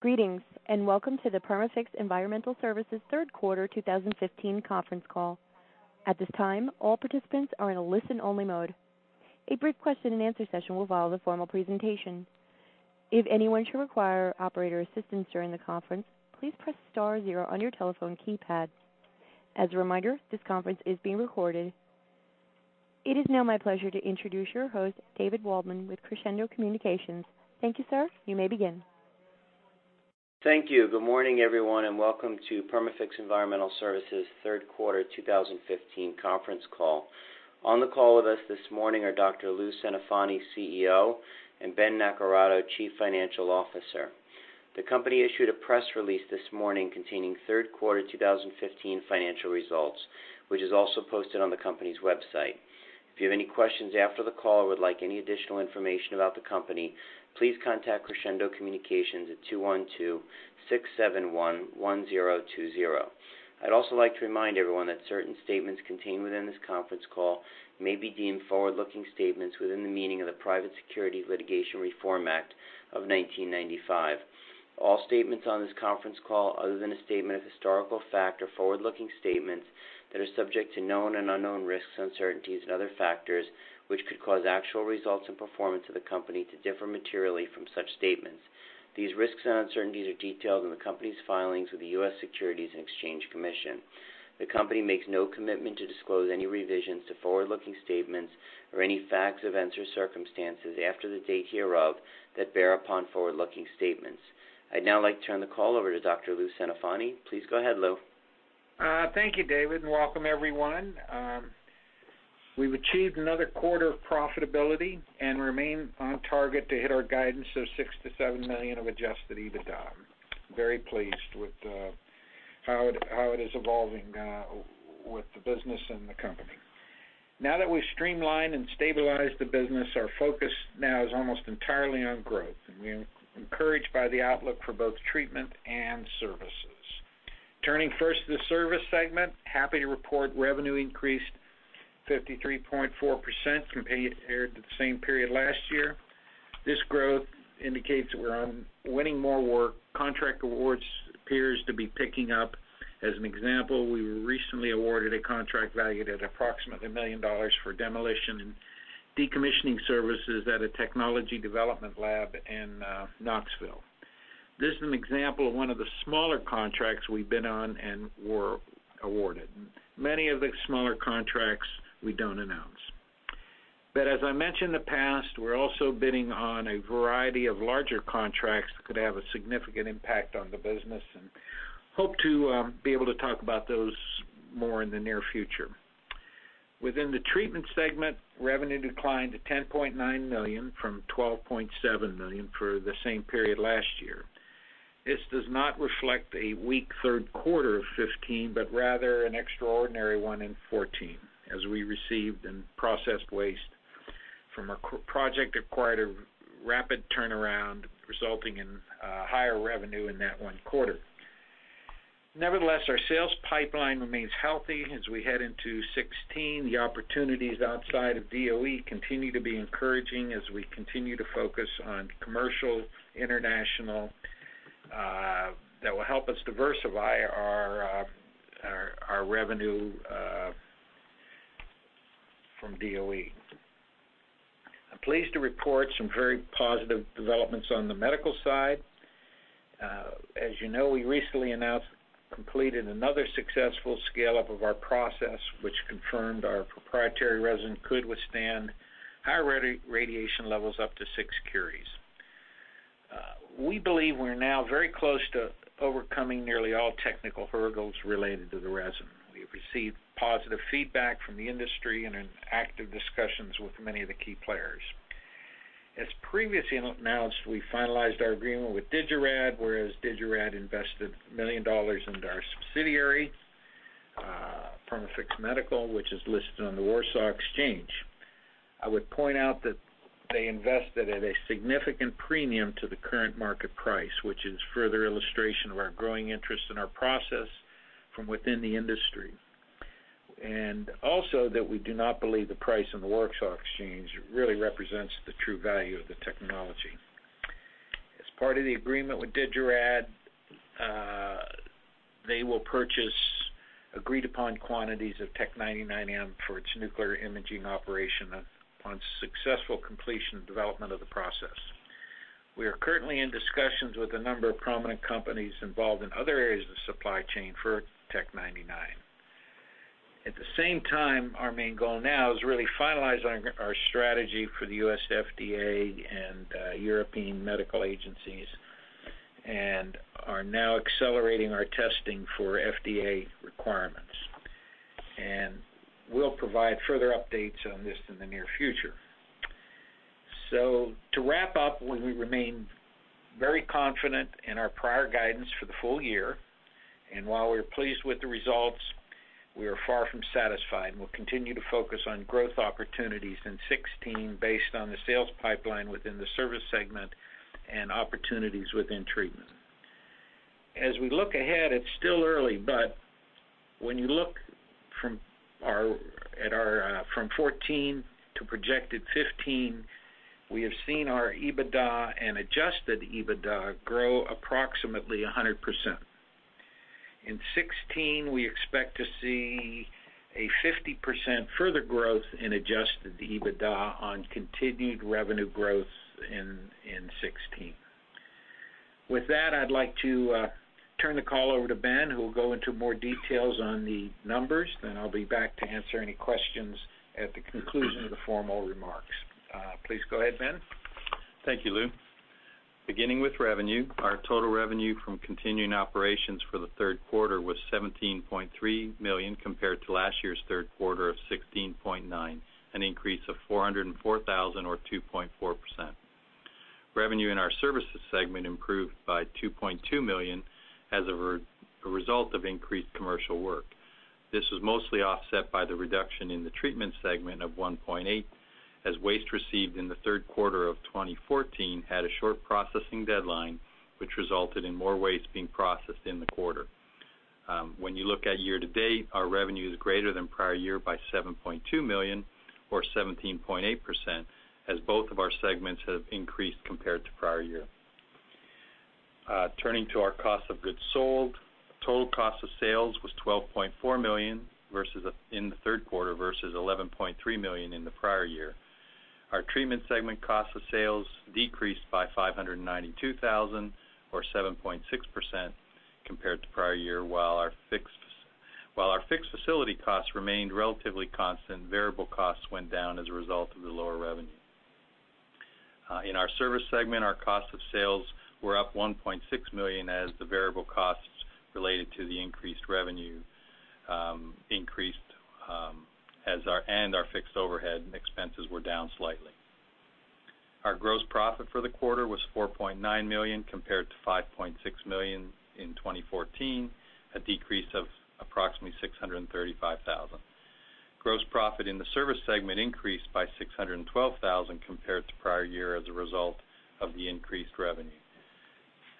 Greetings, welcome to the Perma-Fix Environmental Services third quarter 2015 conference call. At this time, all participants are in a listen-only mode. A brief question and answer session will follow the formal presentation. If anyone should require operator assistance during the conference, please press star zero on your telephone keypad. As a reminder, this conference is being recorded. It is now my pleasure to introduce your host, David Waldman, with Crescendo Communications. Thank you, sir. You may begin. Thank you. Good morning, everyone, welcome to Perma-Fix Environmental Services third quarter 2015 conference call. On the call with us this morning are Dr. Louis Centofanti, CEO, and Ben Naccarato, Chief Financial Officer. The company issued a press release this morning containing third quarter 2015 financial results, which is also posted on the company's website. If you have any questions after the call or would like any additional information about the company, please contact Crescendo Communications at 212-671-1020. I'd also like to remind everyone that certain statements contained within this conference call may be deemed forward-looking statements within the meaning of the Private Securities Litigation Reform Act of 1995. All statements on this conference call, other than a statement of historical fact, are forward-looking statements that are subject to known and unknown risks, uncertainties and other factors which could cause actual results and performance of the company to differ materially from such statements. These risks and uncertainties are detailed in the company's filings with the U.S. Securities and Exchange Commission. The company makes no commitment to disclose any revisions to forward-looking statements or any facts, events, or circumstances after the date hereof that bear upon forward-looking statements. I'd now like to turn the call over to Dr. Louis Centofanti. Please go ahead, Lou. Thank you, David, welcome everyone. We've achieved another quarter of profitability and remain on target to hit our guidance of $6 million-$7 million of adjusted EBITDA. Very pleased with how it is evolving with the business and the company. Now that we've streamlined and stabilized the business, our focus now is almost entirely on growth, and we are encouraged by the outlook for both treatment and services. Turning first to the service segment, happy to report revenue increased 53.4% compared to the same period last year. This growth indicates that we're winning more work. Contract awards appears to be picking up. As an example, we were recently awarded a contract valued at approximately $1 million for demolition and decommissioning services at a technology development lab in Knoxville. This is an example of one of the smaller contracts we've been on and were awarded. Many of the smaller contracts we don't announce. As I mentioned in the past, we're also bidding on a variety of larger contracts that could have a significant impact on the business and hope to be able to talk about those more in the near future. Within the treatment segment, revenue declined to $10.9 million from $12.7 million for the same period last year. This does not reflect a weak third quarter of 2015, but rather an extraordinary one in 2014, as we received and processed waste from a project acquired a rapid turnaround, resulting in higher revenue in that one quarter. Nevertheless, our sales pipeline remains healthy as we head into 2016. The opportunities outside of DOE continue to be encouraging as we continue to focus on commercial, international, that will help us diversify our revenue from DOE. I'm pleased to report some very positive developments on the medical side. As you know, we recently completed another successful scale-up of our process, which confirmed our proprietary resin could withstand high radiation levels up to six curies. We believe we're now very close to overcoming nearly all technical hurdles related to the resin. We have received positive feedback from the industry and are in active discussions with many of the key players. As previously announced, we finalized our agreement with Digirad, whereas Digirad invested $1 million into our subsidiary, Perma-Fix Medical, which is listed on the Warsaw Stock Exchange. I would point out that they invested at a significant premium to the current market price, which is further illustration of our growing interest in our process from within the industry. That we do not believe the price on the Warsaw Stock Exchange really represents the true value of the technology. As part of the agreement with Digirad, they will purchase agreed-upon quantities of Tc-99m for its nuclear imaging operation upon successful completion and development of the process. We are currently in discussions with a number of prominent companies involved in other areas of the supply chain for Tc-99m. Our main goal now is really finalizing our strategy for the U.S. FDA and European medical agencies and are now accelerating our testing for FDA requirements. We'll provide further updates on this in the near future. We remain very confident in our prior guidance for the full year. While we are pleased with the results, we are far from satisfied and will continue to focus on growth opportunities in 2016 based on the sales pipeline within the service segment and opportunities within treatment. As we look ahead, it's still early, but when you look from 2014 to projected 2015, we have seen our EBITDA and adjusted EBITDA grow approximately 100%. In 2016, we expect to see a 50% further growth in adjusted EBITDA on continued revenue growth in 2016. With that, I'd like to turn the call over to Ben, who will go into more details on the numbers, then I'll be back to answer any questions at the conclusion of the formal remarks. Please go ahead, Ben. Thank you, Lou. Beginning with revenue, our total revenue from continuing operations for the third quarter was $17.3 million compared to last year's third quarter of $16.9 million, an increase of $404,000 or 2.4%. Revenue in our services segment improved by $2.2 million as a result of increased commercial work. This was mostly offset by the reduction in the treatment segment of $1.8 million, as waste received in the third quarter of 2014 had a short processing deadline, which resulted in more waste being processed in the quarter. When you look at year-to-date, our revenue is greater than prior year by $7.2 million or 17.8%, as both of our segments have increased compared to prior year. Turning to our cost of goods sold, total cost of sales was $12.4 million in the third quarter versus $11.3 million in the prior year. Our treatment segment cost of sales decreased by $592,000 or 7.6% compared to prior year. While our fixed facility costs remained relatively constant, variable costs went down as a result of the lower revenue. In our service segment, our cost of sales were up $1.6 million as the variable costs related to the increased revenue increased, and our fixed overhead expenses were down slightly. Our gross profit for the quarter was $4.9 million compared to $5.6 million in 2014, a decrease of approximately $635,000. Gross profit in the service segment increased by $612,000 compared to prior year as a result of the increased revenue.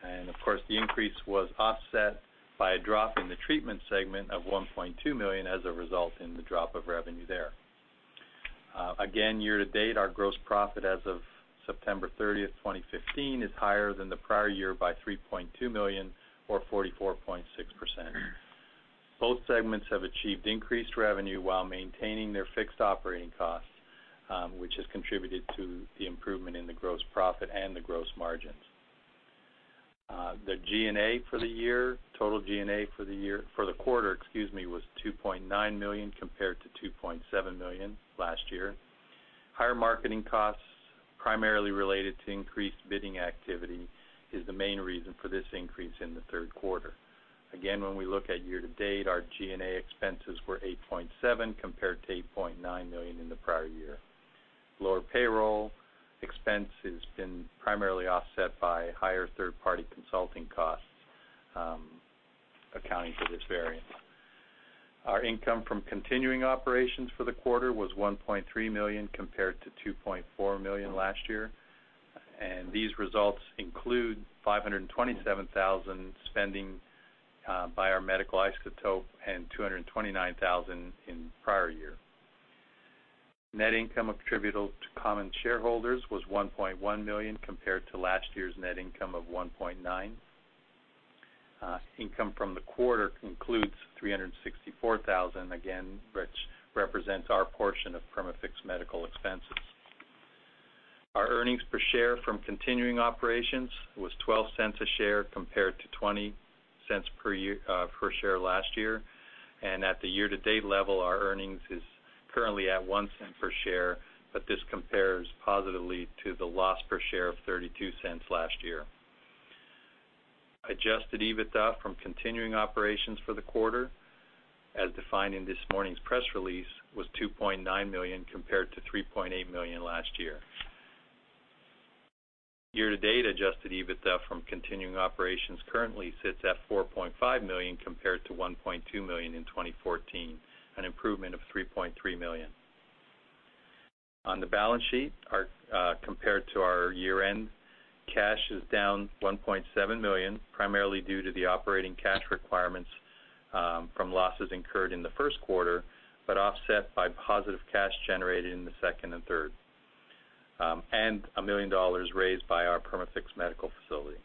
Of course, the increase was offset by a drop in the treatment segment of $1.2 million as a result in the drop of revenue there. Again, year-to-date, our gross profit as of September 30th, 2015, is higher than the prior year by $3.2 million or 44.6%. Both segments have achieved increased revenue while maintaining their fixed operating costs, which has contributed to the improvement in the gross profit and the gross margins. The G&A for the quarter was $2.9 million compared to $2.7 million last year. Higher marketing costs, primarily related to increased bidding activity, is the main reason for this increase in the third quarter. Again, when we look at year-to-date, our G&A expenses were $8.7 million compared to $8.9 million in the prior year. Lower payroll expense has been primarily offset by higher third-party consulting costs accounting for this variance. Our income from continuing operations for the quarter was $1.3 million compared to $2.4 million last year, and these results include $527,000 spending by our medical isotope and $229,000 in prior year. Net income attributable to common shareholders was $1.1 million compared to last year's net income of $1.9 million. Income from the quarter includes $364,000, again, which represents our portion of Perma-Fix Medical expenses. Our earnings per share from continuing operations was $0.12 per share compared to $0.20 per share last year. At the year-to-date level, our earnings is currently at $0.01 per share, but this compares positively to the loss per share of $0.32 last year. Adjusted EBITDA from continuing operations for the quarter, as defined in this morning's press release, was $2.9 million compared to $3.8 million last year. Year-to-date adjusted EBITDA from continuing operations currently sits at $4.5 million compared to $1.2 million in 2014, an improvement of $3.3 million. On the balance sheet, compared to our year end, cash is down $1.7 million, primarily due to the operating cash requirements from losses incurred in the first quarter. Offset by positive cash generated in the second and third. $1 million raised by our Perma-Fix Medical facility.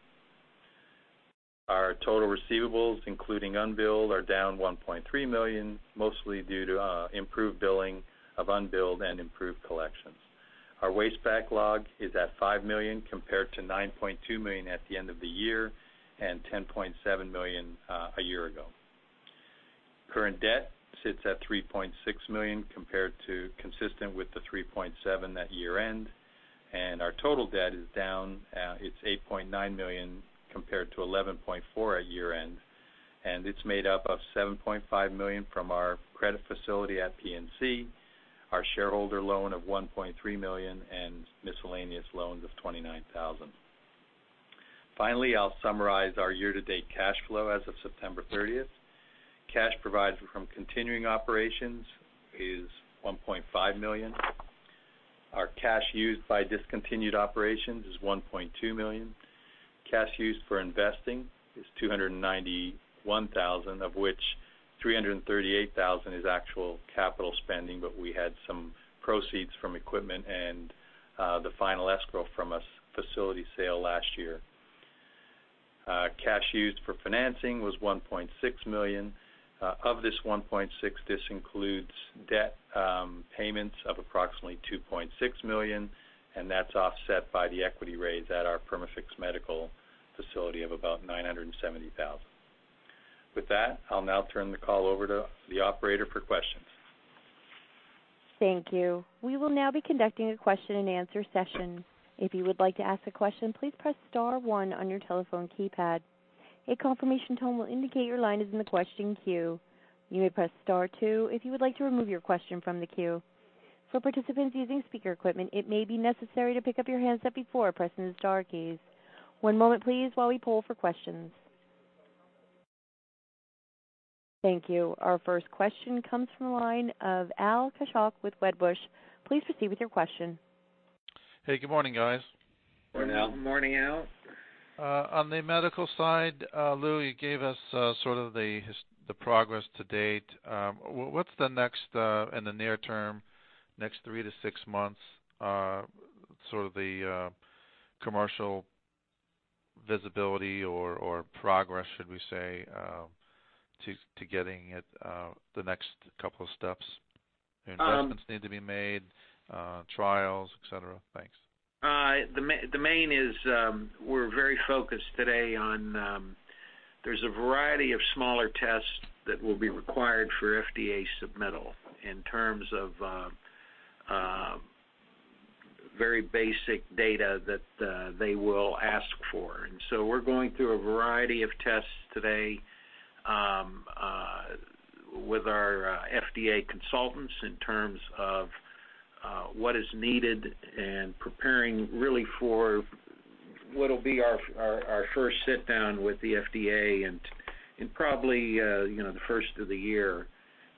Our total receivables, including unbilled, are down $1.3 million, mostly due to improved billing of unbilled and improved collections. Our waste backlog is at $5 million compared to $9.2 million at the end of the year and $10.7 million a year ago. Current debt sits at $3.6 million consistent with the $3.7 million at year end. Our total debt is $8.9 million compared to $11.4 million at year end. It's made up of $7.5 million from our credit facility at PNC, our shareholder loan of $1.3 million and miscellaneous loans of $29,000. Finally, I'll summarize our year-to-date cash flow as of September 30th. Cash provided from continuing operations is $1.5 million. Our cash used by discontinued operations is $1.2 million. Cash used for investing is $291,000, of which $338,000 is actual capital spending. We had some proceeds from equipment and the final escrow from a facility sale last year. Cash used for financing was $1.6 million. Of this $1.6 million, this includes debt payments of approximately $2.6 million. That's offset by the equity raise at our Perma-Fix Medical facility of about $970,000. With that, I'll now turn the call over to the operator for questions. Thank you. We will now be conducting a question and answer session. If you would like to ask a question, please press *1 on your telephone keypad. A confirmation tone will indicate your line is in the question queue. You may press *2 if you would like to remove your question from the queue. For participants using speaker equipment, it may be necessary to pick up your handset before pressing the star keys. One moment, please, while we poll for questions. Thank you. Our first question comes from the line of Al Kashian with Wedbush. Please proceed with your question. Hey, good morning, guys. Morning, Al. Morning, Al. On the medical side, Lou, you gave us sort of the progress to date. What's the next, in the near term, next 3-6 months, sort of the commercial visibility or progress, should we say, to getting at the next couple of steps? Any adjustments need to be made, trials, et cetera? Thanks. The main is we're very focused today on, there's a variety of smaller tests that will be required for FDA submittal in terms of very basic data that they will ask for. We're going through a variety of tests today with our FDA consultants in terms of what is needed and preparing really for what'll be our first sit down with the FDA in probably the first of the year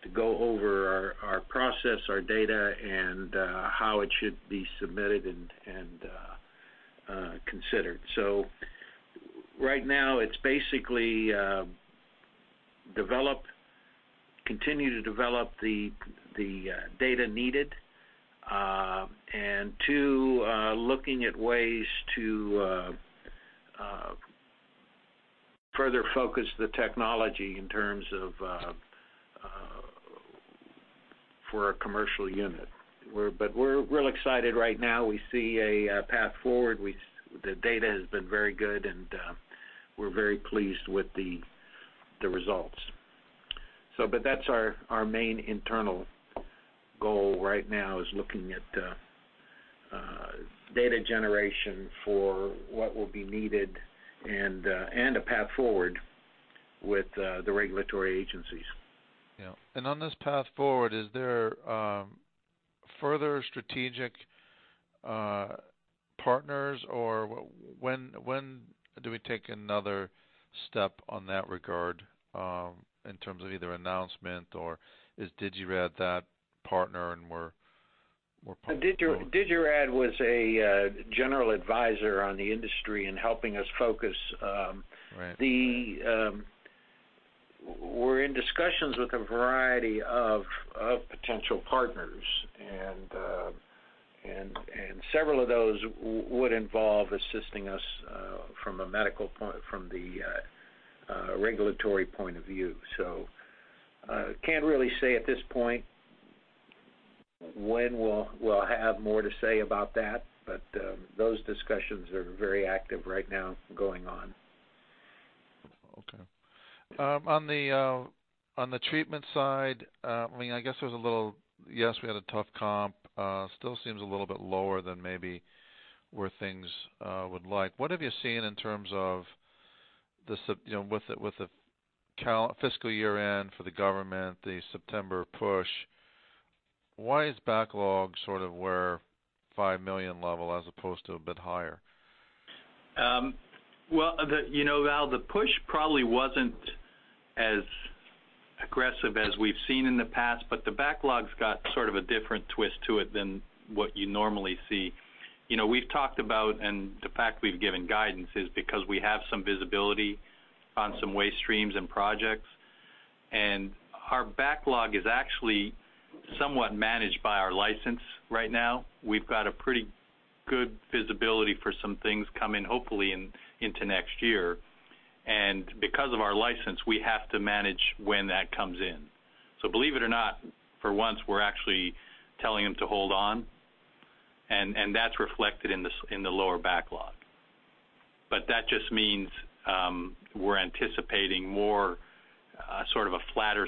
to go over our process, our data, and how it should be submitted and considered. Right now, it's basically continue to develop the data needed, and two, looking at ways to further focus the technology in terms of for a commercial unit. We're real excited right now. We see a path forward. The data has been very good, and we're very pleased with the results. That's our main internal goal right now is looking at data generation for what will be needed and a path forward with the regulatory agencies. Yeah. On this path forward, is there further strategic partners, or when do we take another step on that regard in terms of either announcement or is Digirad that partner and we're Digirad was a general advisor on the industry in helping us focus. Right. We're in discussions with a variety of potential partners, and several of those would involve assisting us from the regulatory point of view. Can't really say at this point when we'll have more to say about that, but those discussions are very active right now going on. Okay. On the treatment side, we had a tough comp, still seems a little bit lower than maybe where things would like. What have you seen in terms of with the fiscal year-end for the government, the September push, why is backlog sort of where $5 million level as opposed to a bit higher? Al, the push probably wasn't as aggressive as we've seen in the past, the backlog's got sort of a different twist to it than what you normally see. We've talked about, the fact we've given guidance is because we have some visibility on some waste streams and projects, and our backlog is actually somewhat managed by our license right now. We've got a pretty good visibility for some things coming hopefully into next year. Because of our license, we have to manage when that comes in. Believe it or not, for once, we're actually telling them to hold on, that's reflected in the lower backlog. That just means we're anticipating more sort of a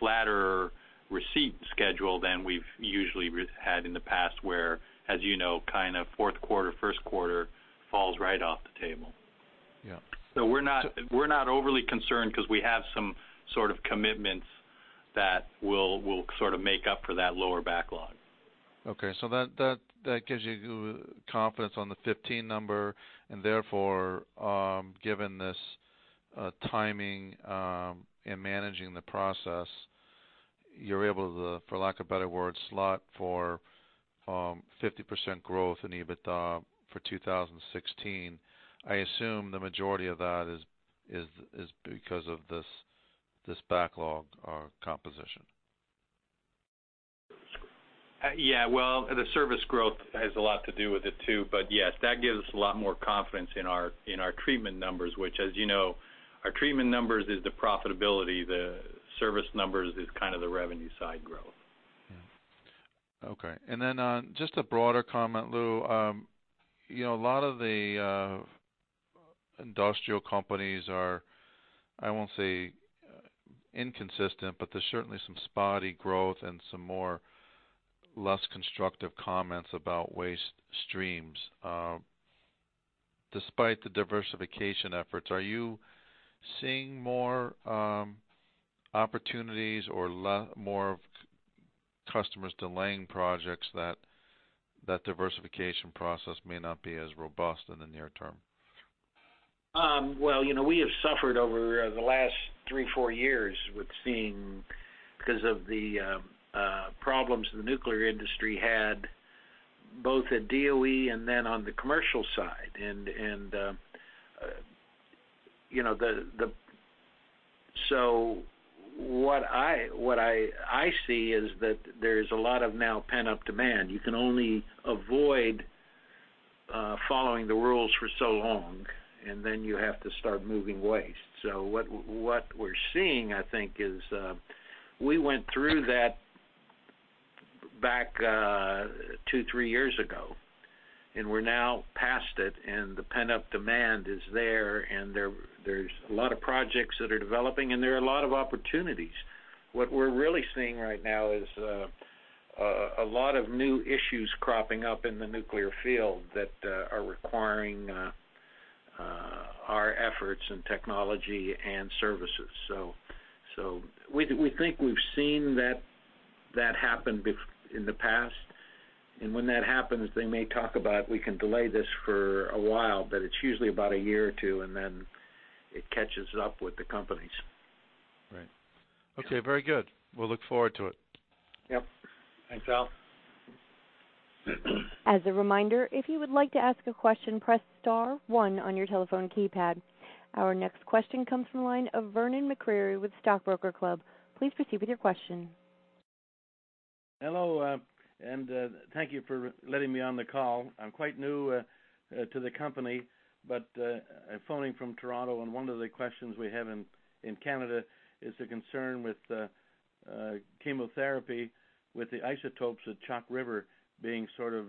flatter receipt schedule than we've usually had in the past where, as you know, kind of fourth quarter, first quarter falls right off the table. Yeah. We're not overly concerned because we have some sort of commitments that will sort of make up for that lower backlog. Okay, that gives you confidence on the 2015 number, therefore, given this timing and managing the process, you're able to, for lack of a better word, slot for 50% growth in EBITDA for 2016. I assume the majority of that is because of this backlog or composition. Well, the service growth has a lot to do with it too, but yes, that gives us a lot more confidence in our treatment numbers. Which, as you know, our treatment numbers is the profitability, the service numbers is the revenue side growth. Just a broader comment, Lou. A lot of the industrial companies are, I won't say inconsistent, but there's certainly some spotty growth and some less constructive comments about waste streams. Despite the diversification efforts, are you seeing more opportunities or more customers delaying projects that diversification process may not be as robust in the near term? We have suffered over the last three, four years with seeing, because of the problems the nuclear industry had, both at DOE and then on the commercial side. What I see is that there's a lot of now pent-up demand. You can only avoid following the rules for so long, and then you have to start moving waste. What we're seeing, I think, is we went through that back two, three years ago, and we're now past it, and the pent-up demand is there, and there's a lot of projects that are developing, and there are a lot of opportunities. What we're really seeing right now is a lot of new issues cropping up in the nuclear field that are requiring our efforts and technology and services. We think we've seen that happen in the past. When that happens, they may talk about, we can delay this for a while, but it's usually about a year or two, and then it catches up with the companies. Right. Okay. Very good. We'll look forward to it. Yep. Thanks, Al. As a reminder, if you would like to ask a question, press star one on your telephone keypad. Our next question comes from the line of Vernon McCrary with Stockbroker Club. Please proceed with your question. Hello, thank you for letting me on the call. I'm quite new to the company, I'm phoning from Toronto and one of the questions we have in Canada is a concern with chemotherapy, with the isotopes at Chalk River being sort of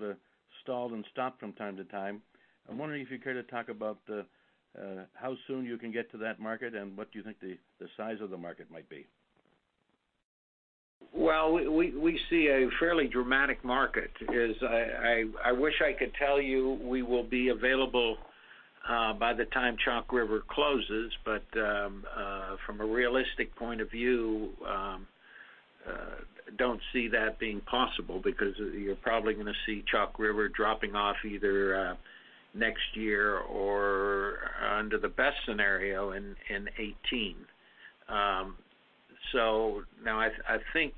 stalled and stopped from time to time. I'm wondering if you'd care to talk about how soon you can get to that market, what do you think the size of the market might be? We see a fairly dramatic market. I wish I could tell you we will be available by the time Chalk River closes, but from a realistic point of view, don't see that being possible because you're probably going to see Chalk River dropping off either next year or under the best scenario, in 2018. I think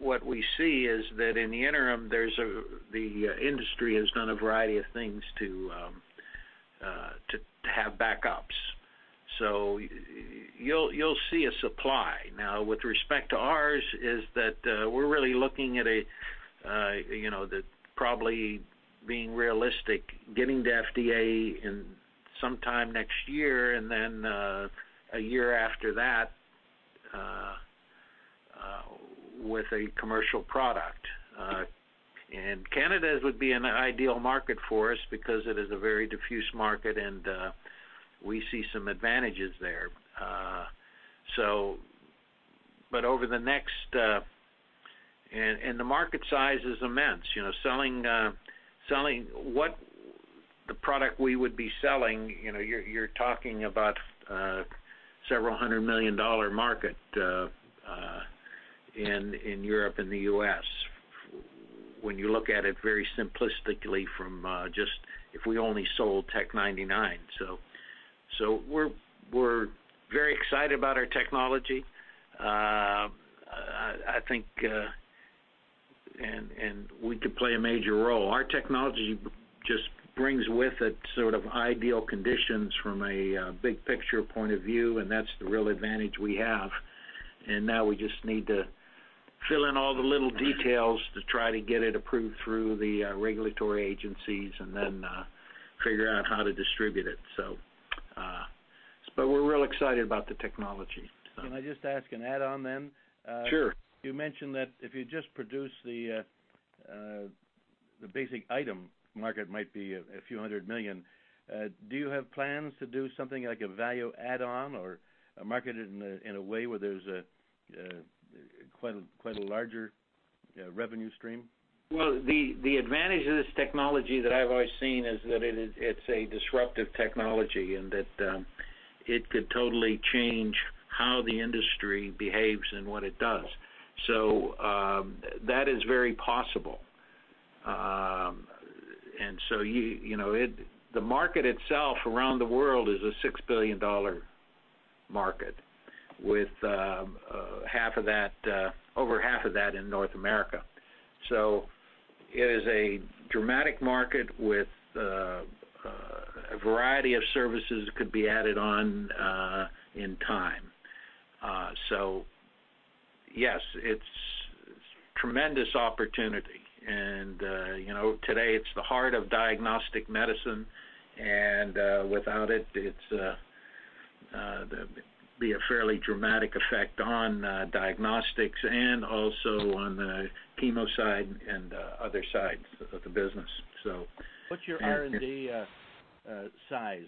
what we see is that in the interim, the industry has done a variety of things to have backups. You'll see a supply. With respect to ours, is that we're really looking at probably being realistic, getting to FDA sometime next year, and then a year after that with a commercial product. Canada would be an ideal market for us because it is a very diffuse market, and we see some advantages there. The market size is immense. The product we would be selling, you're talking about a $several hundred million market in Europe and the U.S., when you look at it very simplistically from just if we only sold Tc-99m. We're very excited about our technology. I think we could play a major role. Our technology just brings with it sort of ideal conditions from a big picture point of view, and that's the real advantage we have, and now we just need to fill in all the little details to try to get it approved through the regulatory agencies and then figure out how to distribute it. We're real excited about the technology. Can I just ask an add-on then? Sure. You mentioned that if you just produce the basic item, market might be $a few hundred million. Do you have plans to do something like a value add-on or market it in a way where there's quite a larger revenue stream? Well, the advantage of this technology that I've always seen is that it's a disruptive technology, that it could totally change how the industry behaves and what it does. That is very possible The market itself around the world is a $6 billion market, with over half of that in North America. It is a dramatic market with a variety of services that could be added on in time. Yes, it's a tremendous opportunity, today it's the heart of diagnostic medicine, without it'd be a fairly dramatic effect on diagnostics and also on the chemo side and other sides of the business. What's your R&D size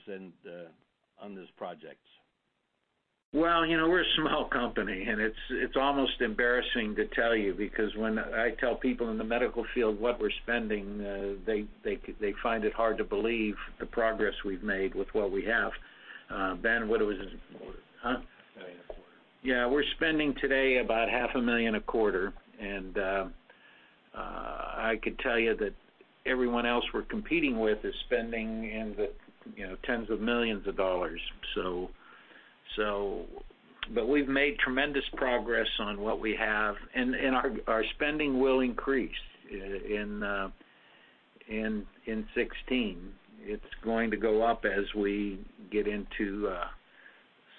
on those projects? Well, we're a small company, and it's almost embarrassing to tell you because when I tell people in the medical field what we're spending, they find it hard to believe the progress we've made with what we have. Ben, what is it? Half a million a quarter. We're spending today about half a million a quarter, and I could tell you that everyone else we're competing with is spending in the tens of millions of dollars. We've made tremendous progress on what we have, and our spending will increase in 2016. It's going to go up as we get into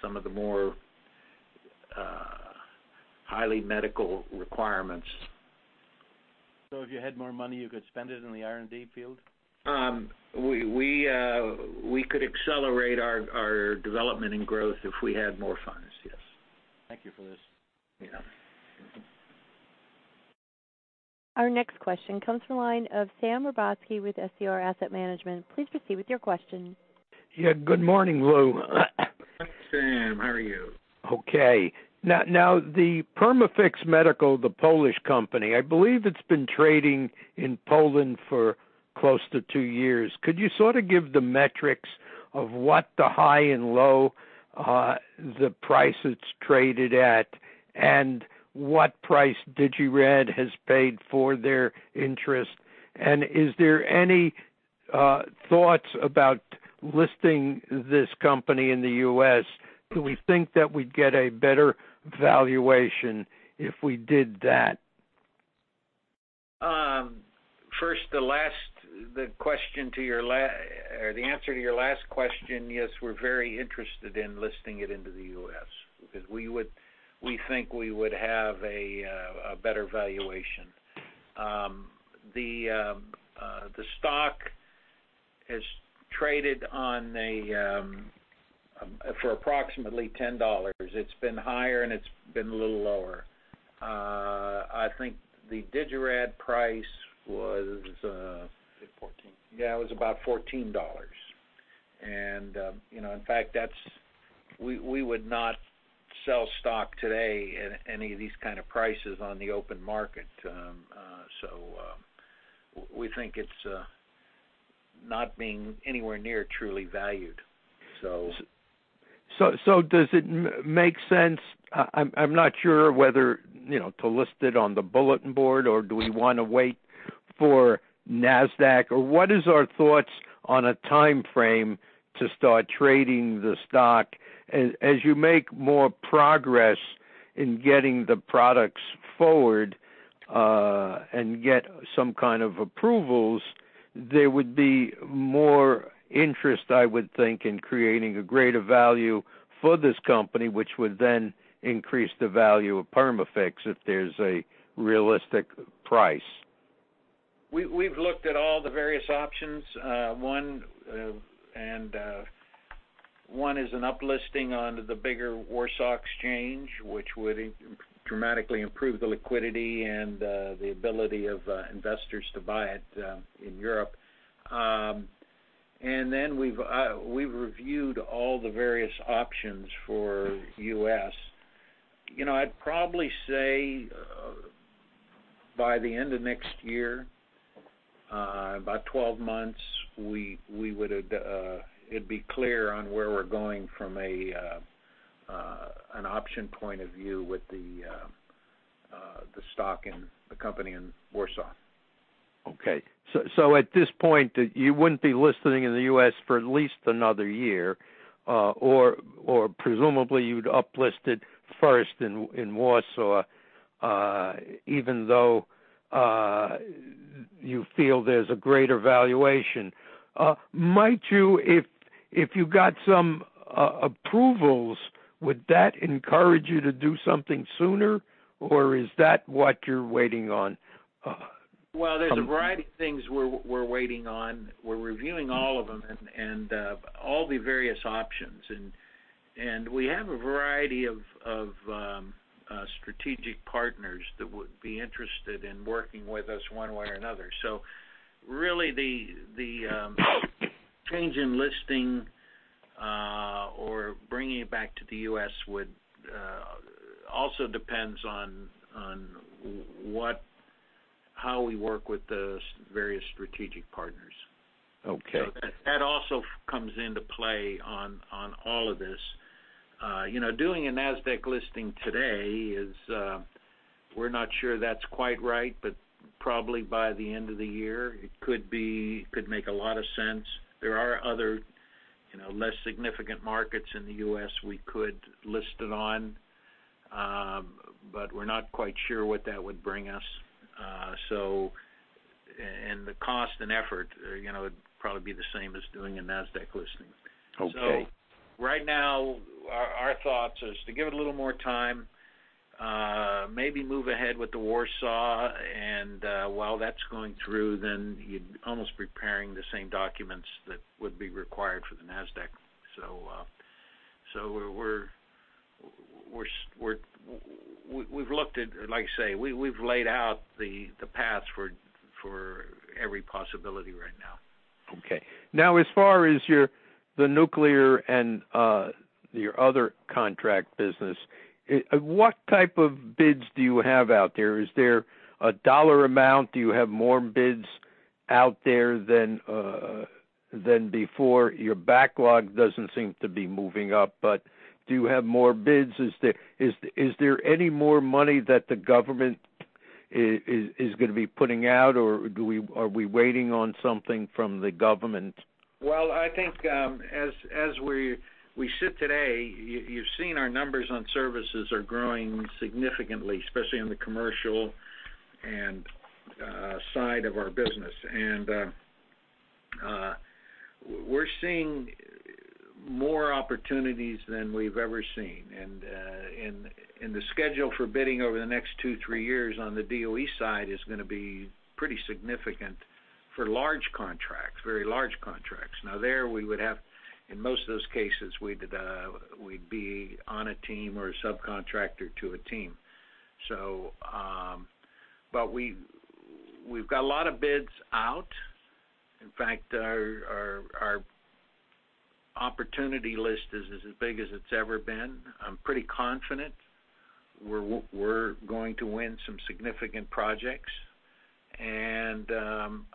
some of the more highly medical requirements. If you had more money, you could spend it in the R&D field? We could accelerate our development and growth if we had more funds, yes. Thank you for this. Yeah. Mm-hmm. Our next question comes from the line of Sam Rabosky with SCR Asset Management. Please proceed with your question. Yeah. Good morning, Lou. Sam, how are you? Okay. Now, the Perma-Fix Medical, the Polish company, I believe it's been trading in Poland for close to two years. Could you sort of give the metrics of what the high and low, the price it's traded at, and what price Digirad has paid for their interest? Is there any thoughts about listing this company in the U.S.? Do we think that we'd get a better valuation if we did that? First, the answer to your last question, yes, we're very interested in listing it into the U.S. because we think we would have a better valuation. The stock has traded for approximately $10. It's been higher, and it's been a little lower. I think the Digirad price was. I think $14. Yeah, it was about $14. In fact, we would not sell stock today at any of these kind of prices on the open market. We think it's not being anywhere near truly valued. Does it make sense, I'm not sure whether to list it on the bulletin board, or do we want to wait for Nasdaq? What is our thoughts on a timeframe to start trading the stock? As you make more progress in getting the products forward, and get some kind of approvals, there would be more interest, I would think, in creating a greater value for this company, which would then increase the value of Perma-Fix if there's a realistic price. We've looked at all the various options. One is an uplisting onto the bigger Warsaw exchange, which would dramatically improve the liquidity and the ability of investors to buy it in Europe. We've reviewed all the various options for U.S. I'd probably say, by the end of next year, about 12 months, it'd be clear on where we're going from an option point of view with the stock and the company in Warsaw. Okay. At this point, you wouldn't be listing in the U.S. for at least another year, or presumably you'd uplist it first in Warsaw, even though you feel there's a greater valuation. If you got some approvals, would that encourage you to do something sooner, or is that what you're waiting on? Well, there's a variety of things we're waiting on. We're reviewing all of them and all the various options, and we have a variety of strategic partners that would be interested in working with us one way or another. Really, the change in listing or bringing it back to the U.S. also depends on how we work with those various strategic partners. Okay. That also comes into play on all of this. Doing a Nasdaq listing today is, we're not sure that's quite right, but probably by the end of the year, it could make a lot of sense. There are other less significant markets in the U.S. we could list it on, but we're not quite sure what that would bring us. The cost and effort would probably be the same as doing a Nasdaq listing. Okay. Right now, our thoughts is to give it a little more time, maybe move ahead with the Warsaw, and while that's going through, then you're almost preparing the same documents that would be required for the Nasdaq. We've looked at, like I say, we've laid out the paths for every possibility right now. Okay. Now, as far as the nuclear and your other contract business, what type of bids do you have out there? Is there a dollar amount? Do you have more bids out there than before? Your backlog doesn't seem to be moving up, but do you have more bids? Is there any more money that the government is going to be putting out, or are we waiting on something from the government? Well, I think, as we sit today, you've seen our numbers on services are growing significantly, especially on the commercial side of our business. We're seeing more opportunities than we've ever seen. The schedule for bidding over the next two, three years on the DOE side is going to be pretty significant for large contracts, very large contracts. There we would have, in most of those cases, we'd be on a team or a subcontractor to a team. We've got a lot of bids out. In fact, our opportunity list is as big as it's ever been. I'm pretty confident we're going to win some significant projects, and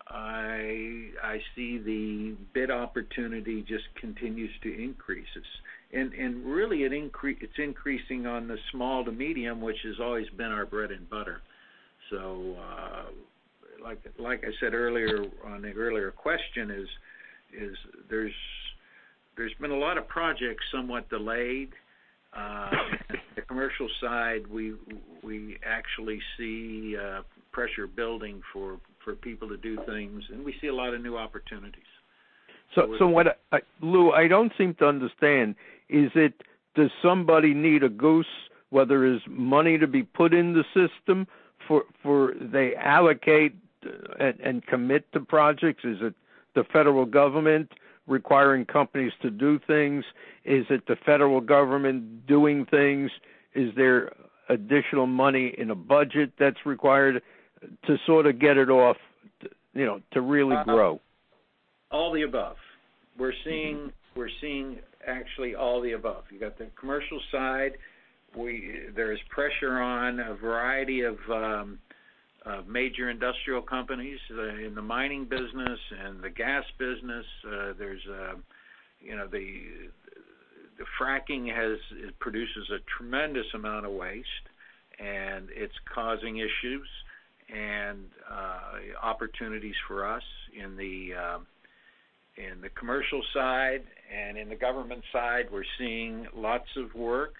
I see the bid opportunity just continues to increase. Really, it's increasing on the small to medium, which has always been our bread and butter. Like I said earlier on an earlier question, there's been a lot of projects somewhat delayed. On the commercial side, we actually see pressure building for people to do things, and we see a lot of new opportunities. Lou, I don't seem to understand. Does somebody need a goose, whether it's money to be put in the system for they allocate and commit to projects? Is it the Federal Government requiring companies to do things? Is it the Federal Government doing things? Is there additional money in a budget that's required to sort of get it off, to really grow? All the above. We're seeing actually all the above. You've got the commercial side. There's pressure on a variety of major industrial companies in the mining business and the gas business. The fracking produces a tremendous amount of waste, and it's causing issues and opportunities for us in the commercial side and in the Government side, we're seeing lots of work.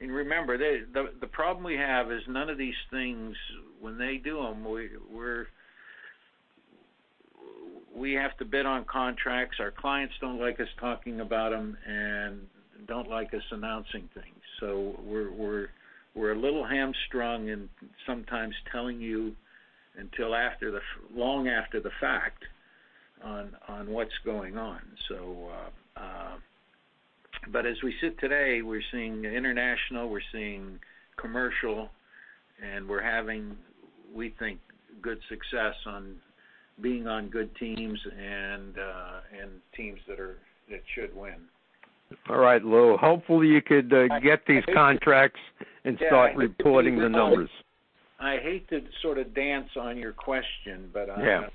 Remember, the problem we have is none of these things, when they do them, we have to bid on contracts. Our clients don't like us talking about them and don't like us announcing things. We're a little hamstrung in sometimes telling you until long after the fact on what's going on. As we sit today, we're seeing international, we're seeing commercial, and we're having, we think, good success on being on good teams and teams that should win. All right, Lou. Hopefully, you could get these contracts and start reporting the numbers. I hate to sort of dance on your question. Yeah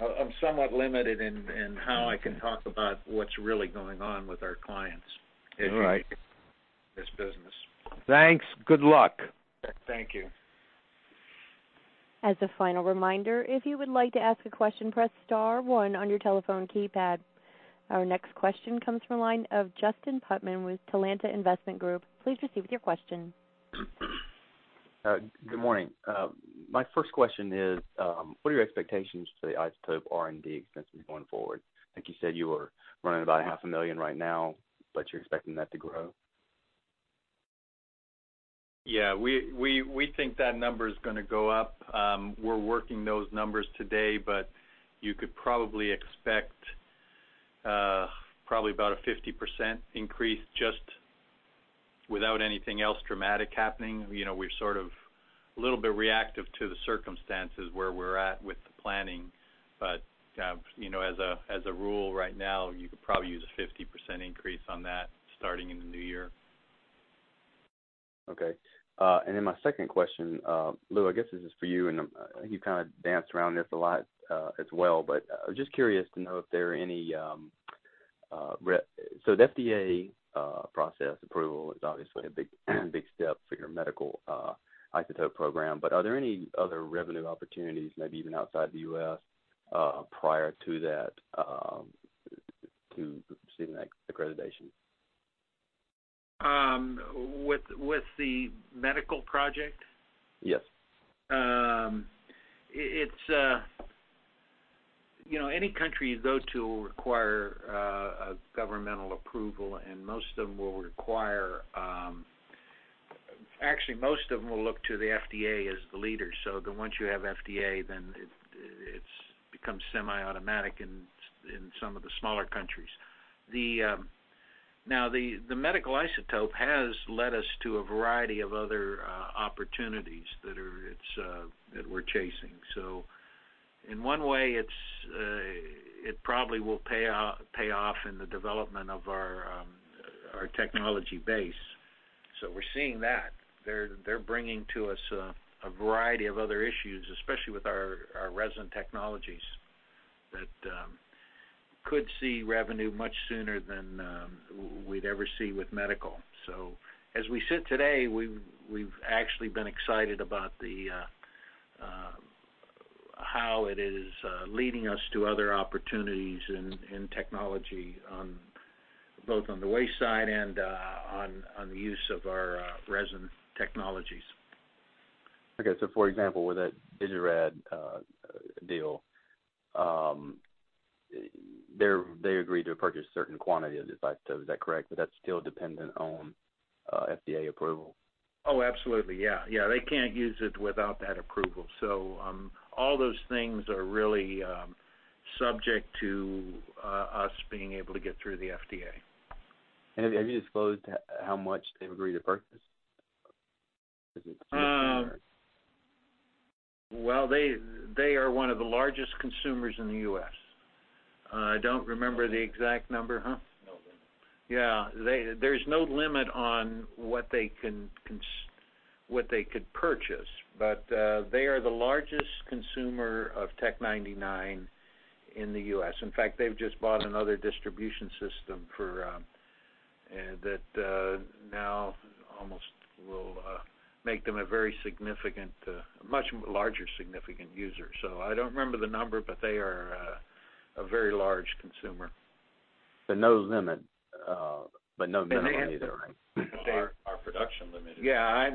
I'm somewhat limited in how I can talk about what's really going on with our clients. All right. This business. Thanks. Good luck. Thank you. As a final reminder, if you would like to ask a question, press star one on your telephone keypad. Our next question comes from the line of Justin Putman with Talanta Investment Group. Please proceed with your question. Good morning. My first question is, what are your expectations for the isotope R&D expenses going forward? I think you said you were running about a half a million right now, but you're expecting that to grow? Yeah, we think that number's going to go up. We're working those numbers today, but you could probably expect probably about a 50% increase just without anything else dramatic happening. We're sort of a little bit reactive to the circumstances where we're at with the planning. As a rule right now, you could probably use a 50% increase on that starting in the new year. Okay. My second question, Lou, I guess this is for you, and I think you've kind of danced around this a lot as well, but I was just curious to know if there are any The FDA process approval is obviously a big step for your medical isotope program, are there any other revenue opportunities, maybe even outside the U.S., prior to receiving that accreditation? With the medical project? Yes. Any country you go to will require a governmental approval. Actually, most of them will look to the FDA as the leader. Once you have FDA, it becomes semi-automatic in some of the smaller countries. Now, the medical isotope has led us to a variety of other opportunities that we're chasing. In one way, it probably will pay off in the development of our technology base. We're seeing that. They're bringing to us a variety of other issues, especially with our resin technologies, that could see revenue much sooner than we'd ever see with medical. As we sit today, we've actually been excited about how it is leading us to other opportunities in technology, both on the waste side and on the use of our resin technologies. Okay. For example, with that Digirad deal, they agreed to purchase a certain quantity of isotopes, is that correct? That's still dependent on FDA approval. Oh, absolutely. Yeah. They can't use it without that approval. All those things are really subject to us being able to get through the FDA. Have you disclosed how much they've agreed to purchase? Is it TS or Well, they are one of the largest consumers in the U.S. I don't remember the exact number. Huh? No limit. Yeah. There's no limit on what they could purchase, but they are the largest consumer of Tc-99m in the U.S. In fact, they've just bought another distribution system that now almost will make them a very significant, much larger significant user. I don't remember the number, but they are a very large consumer. No limit either, right? Our production limit is. Yeah.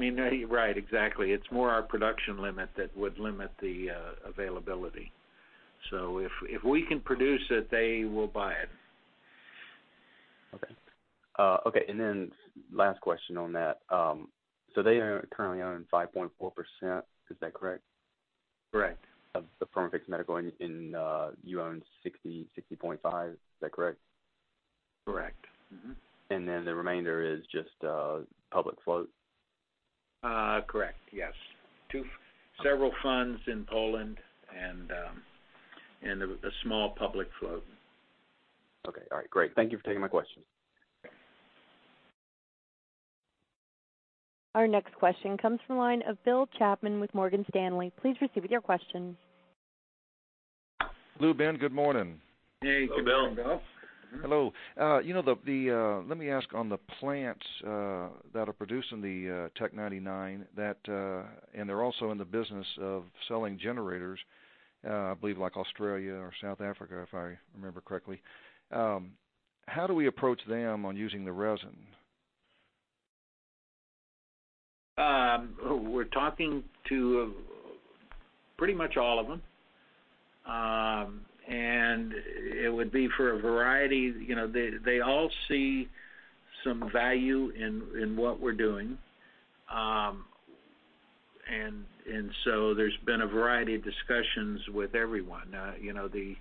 Right. Exactly. It's more our production limit that would limit the availability. If we can produce it, they will buy it. Okay. Last question on that. They currently own 5.4%, is that correct? Correct. Of the Perma-Fix Medical, you own 60.5%, is that correct? Correct. Mm-hmm. The remainder is just public float? Correct. Yes. Several funds in Poland, and a small public float. Okay. All right, great. Thank you for taking my questions. Okay. Our next question comes from the line of Bill Chapman with Morgan Stanley. Please proceed with your question. Lou, Ben, good morning. Hey, good morning, Bill. Hello. Let me ask on the plants that are producing the Tc-99m. They're also in the business of selling generators, I believe like Australia or South Africa, if I remember correctly. How do we approach them on using the resin? We're talking to pretty much all of them. It would be for a variety. They all see some value in what we're doing. There's been a variety of discussions with everyone. It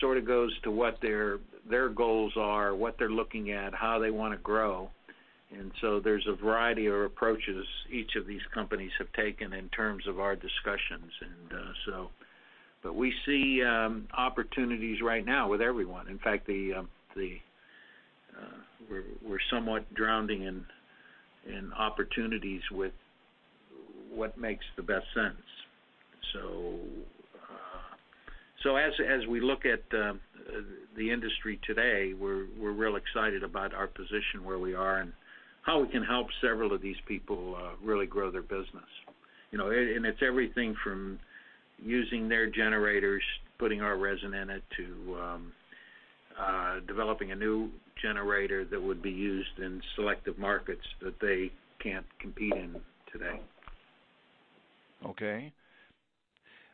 sort of goes to what their goals are, what they're looking at, how they want to grow. There's a variety of approaches each of these companies have taken in terms of our discussions. We see opportunities right now with everyone. In fact, we're somewhat drowning in opportunities with what makes the best sense. As we look at the industry today, we're real excited about our position, where we are, and how we can help several of these people really grow their business. It's everything from using their generators, putting our resin in it, to developing a new generator that would be used in selective markets that they can't compete in today.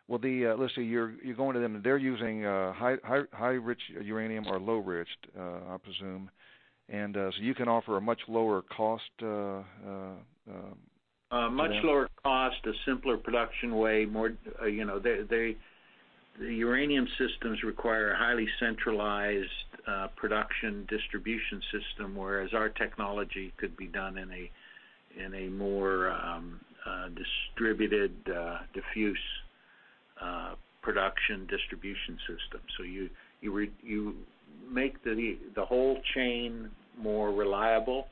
Let's say you're going to them, and they're using high rich uranium or low rich, I presume. You can offer a much lower cost to them? A much lower cost, a simpler production way. The uranium systems require a highly centralized production distribution system, whereas our technology could be done in a more distributed, diffuse production distribution system. You make the whole chain more reliable.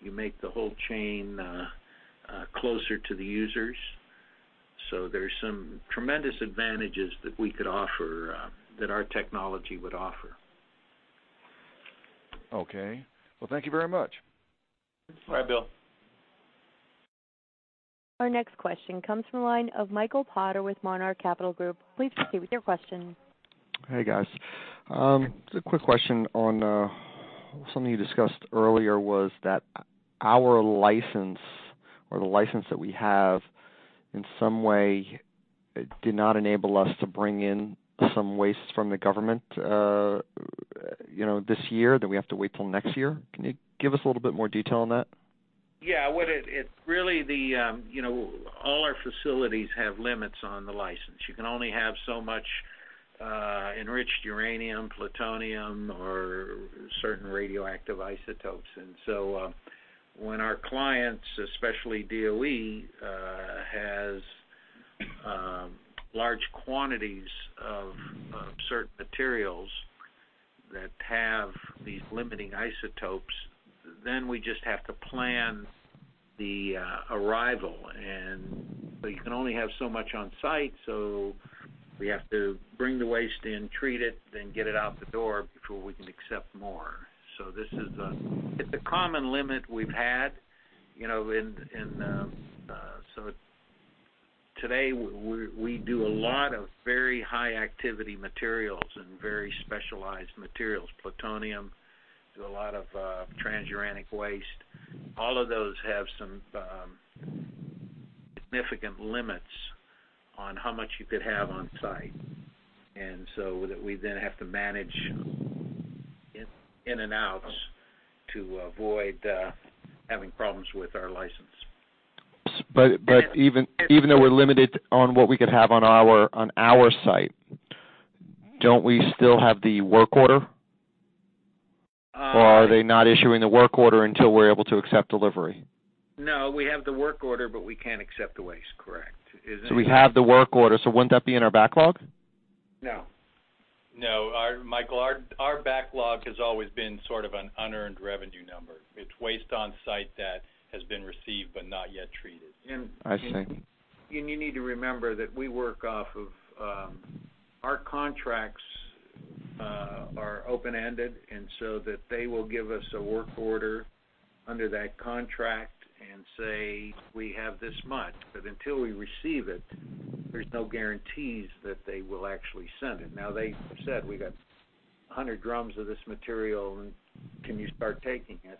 You make the whole chain closer to the users. There's some tremendous advantages that our technology would offer. Thank you very much. All right, Bill. Our next question comes from the line of Michael Potter with Monarch Capital Group. Please proceed with your question. Hey, guys. Just a quick question on something you discussed earlier was that our license or the license that we have, in some way, did not enable us to bring in some waste from the government this year, that we have to wait till next year. Can you give us a little bit more detail on that? Yeah. All our facilities have limits on the license. You can only have so much enriched uranium, plutonium, or certain radioactive isotopes. When our clients, especially DOE, has large quantities of certain materials that have these limiting isotopes, then we just have to plan the arrival. You can only have so much on-site, we have to bring the waste in, treat it, then get it out the door before we can accept more. It's a common limit we've had. Today, we do a lot of very high activity materials and very specialized materials, plutonium, do a lot of transuranic waste. All of those have some significant limits on how much you could have on-site. We then have to manage in and outs to avoid having problems with our license. Even though we're limited on what we could have on our site, don't we still have the work order? Uh- Are they not issuing the work order until we're able to accept delivery? No, we have the work order, but we can't accept the waste. Correct. We have the work order, so wouldn't that be in our backlog? No. No, Michael, our backlog has always been sort of an unearned revenue number. It's waste on-site that has been received but not yet treated. I see. You need to remember that our contracts are open-ended, and so they will give us a work order under that contract and say, "We have this much." Until we receive it, there's no guarantees that they will actually send it. They said, "We got 100 drums of this material, and can you start taking it?"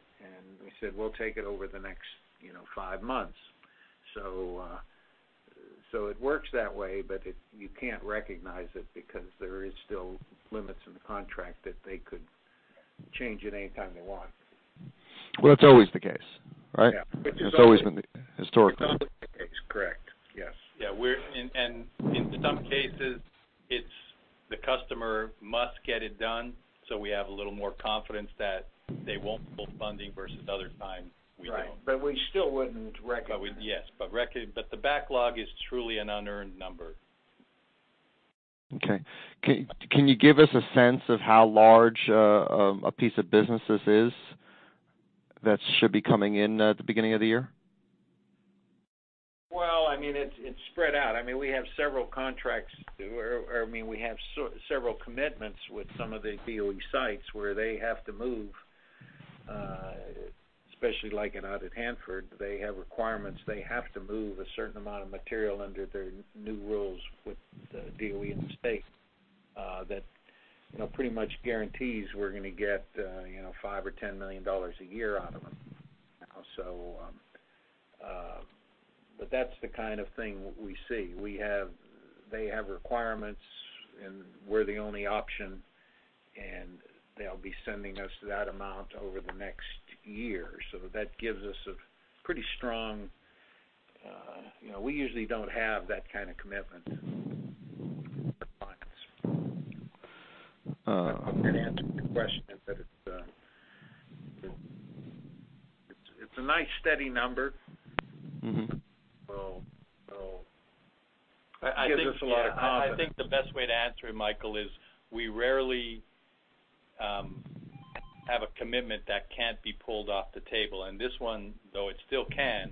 We said, "We'll take it over the next five months." It works that way, but you can't recognize it because there is still limits in the contract that they could change at any time they want. Well, that's always the case, right? Yeah. That's always been the case, historically. It's always the case. Correct. Yes. Yeah. In some cases, it's the customer must get it done, so we have a little more confidence that they won't pull funding versus other times we don't. Right. We still wouldn't recognize it. Yes. The backlog is truly an unearned number. Okay. Can you give us a sense of how large a piece of business this is that should be coming in at the beginning of the year? Well, it's spread out. We have several contracts. We have several commitments with some of the DOE sites where they have to move, especially like in out at Hanford, they have requirements. They have to move a certain amount of material under their new rules with the DOE and the state, that pretty much guarantees we're going to get $5 million or $10 million a year out of them now. That's the kind of thing we see. They have requirements, and we're the only option, and they'll be sending us that amount over the next year. We usually don't have that kind of commitment with clients. Uh- I'm going to answer your question, but it's a nice, steady number. It gives us a lot of confidence. I think the best way to answer it, Michael, is we rarely have a commitment that can't be pulled off the table, and this one, though it still can,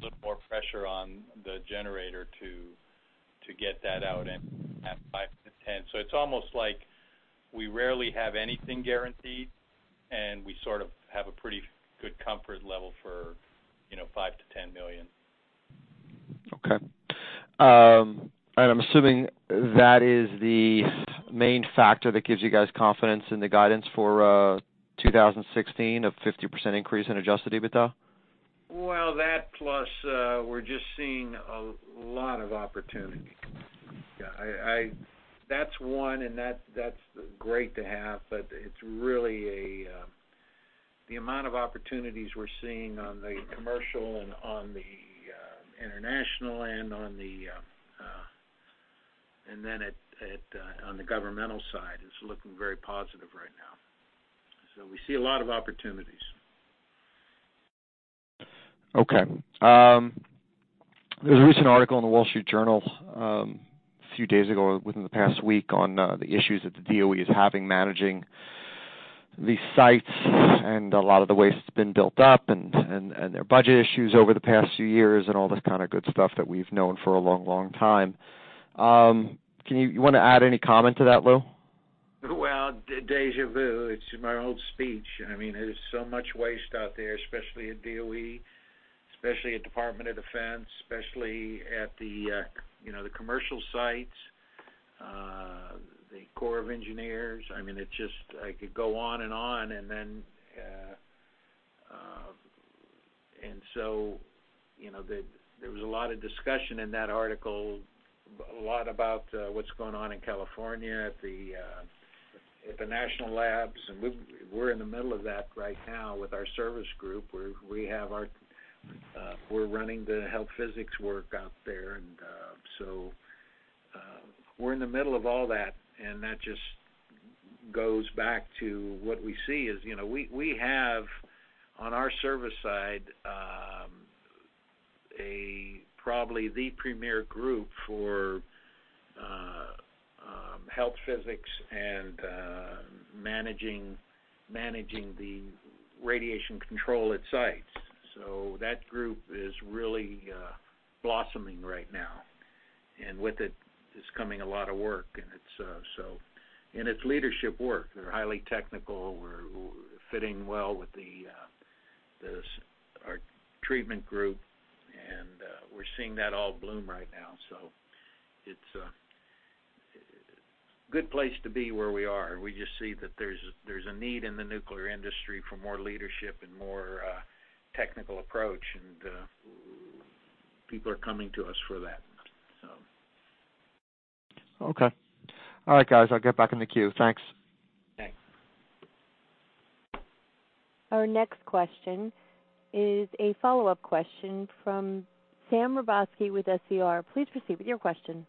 a little more pressure on the generator to get that out at $5-$10. It's almost like we rarely have anything guaranteed, and we sort of have a pretty good comfort level for $5 million-$10 million. Okay. I'm assuming that is the main factor that gives you guys confidence in the guidance for 2016, a 50% increase in adjusted EBITDA? Well, that plus we're just seeing a lot of opportunity. That's one, and that's great to have, but the amount of opportunities we're seeing on the commercial and on the international and then on the governmental side is looking very positive right now. We see a lot of opportunities. Okay. There was a recent article in The Wall Street Journal, a few days ago, within the past week, on the issues that the DOE is having managing these sites and a lot of the waste that's been built up, and their budget issues over the past few years, and all this good stuff that we've known for a long time. Do you want to add any comment to that, Lou? Well, deja vu. It's my old speech. There's so much waste out there, especially at DOE, especially at Department of Defense, especially at the commercial sites, the Corps of Engineers. I could go on and on. There was a lot of discussion in that article, a lot about what's going on in California at the national labs, and we're in the middle of that right now with our service group, where we're running the health physics work out there. We're in the middle of all that, and that just goes back to what we see is, we have, on our service side, probably the premier group for health physics and managing the radiation control at sites. That group is really blossoming right now. With it is coming a lot of work, and it's leadership work. They're highly technical. We're fitting well with our treatment group, and we're seeing that all bloom right now. It's a good place to be where we are. We just see that there's a need in the nuclear industry for more leadership and more technical approach, and people are coming to us for that. Okay. All right, guys, I'll get back in the queue. Thanks. Thanks. Our next question is a follow-up question from Sam Rabosky with SCR. Please proceed with your question.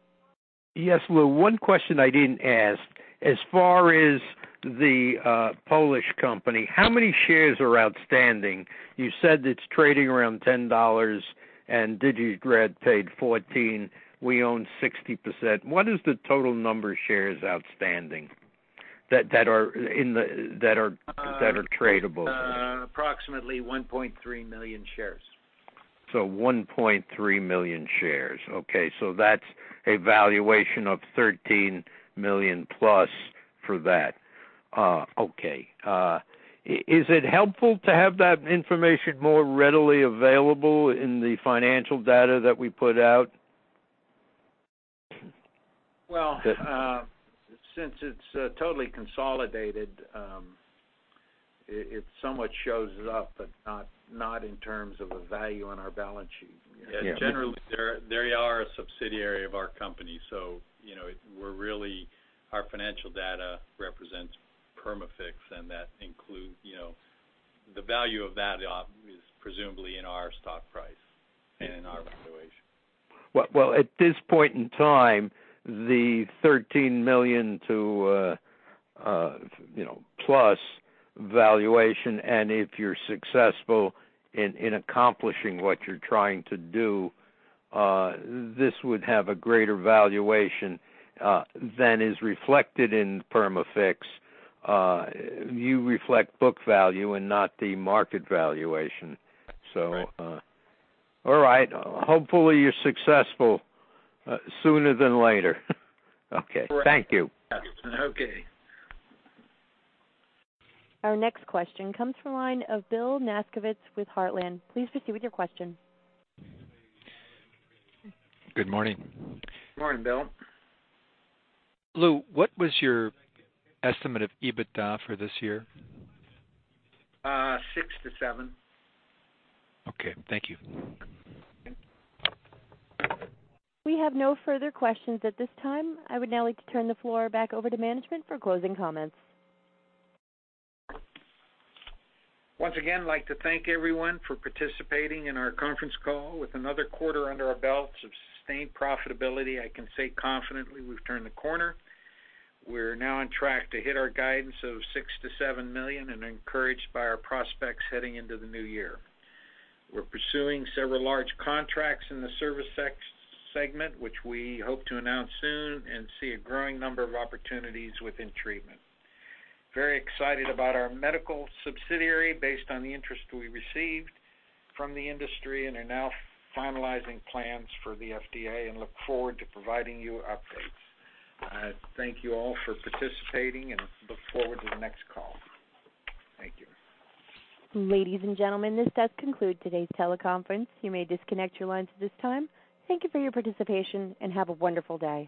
Yes, Lou, one question I didn't ask. As far as the Polish company, how many shares are outstanding? You said it's trading around $10, and Digirad paid $14. We own 60%. What is the total number of shares outstanding that are tradable? Approximately 1.3 million shares. 1.3 million shares. Okay. That's a valuation of $13 million plus for that. Okay. Is it helpful to have that information more readily available in the financial data that we put out? Well, since it's totally consolidated, it somewhat shows up, but not in terms of a value on our balance sheet. Yes. Generally, they are a subsidiary of our company. Our financial data represents Perma-Fix, and the value of that is presumably in our stock price and in our valuation. Well, at this point in time, the $13 million to plus valuation, and if you're successful in accomplishing what you're trying to do, this would have a greater valuation than is reflected in Perma-Fix. You reflect book value and not the market valuation. Right. All right. Hopefully, you're successful sooner than later. Okay. Thank you. Okay. Our next question comes from the line of Bill Nasgovitz with Heartland. Please proceed with your question. Good morning. Morning, Bill. Lou, what was your estimate of EBITDA for this year? Six to seven. Okay. Thank you. We have no further questions at this time. I would now like to turn the floor back over to management for closing comments. Once again, like to thank everyone for participating in our conference call. With another quarter under our belts of sustained profitability, I can say confidently we've turned the corner. We're now on track to hit our guidance of $6 million-$7 million and are encouraged by our prospects heading into the new year. We're pursuing several large contracts in the service segment, which we hope to announce soon and see a growing number of opportunities within treatment. Very excited about our medical subsidiary based on the interest we received from the industry and are now finalizing plans for the FDA and look forward to providing you updates. Thank you all for participating and look forward to the next call. Thank you. Ladies and gentlemen, this does conclude today's teleconference. You may disconnect your lines at this time. Thank you for your participation, and have a wonderful day.